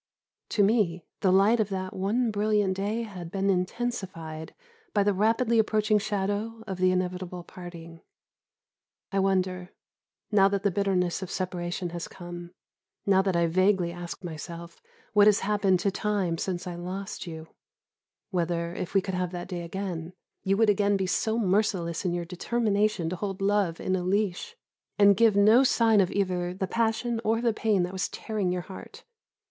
To me, the light of that one brilliant day had been intensified by the rapidly approaching shadow of the inevitable parting. I wonder now that the bitterness of separation has come, now that I vaguely ask myself what has happened to Time since I lost you whether, if we could have that day again, you would again be so merciless in your determination to hold love in leash, and give no sign of either the passion or the pain that was tearing your heart.